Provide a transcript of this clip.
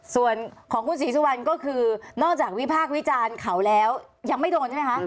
ส่วนของคุณศรีสุวรรณก็คือนอกจากวิพากษ์วิจารณ์เขาแล้วยังไม่โดนใช่ไหมคะ